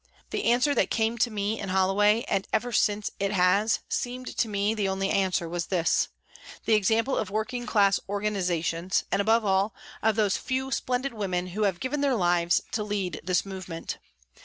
The answer that came to me in Holloway, and ever since it has seemed to me the only answer, was this the example of working class organisations, and above all, of those few splendid women who have given their lives to lead this movement.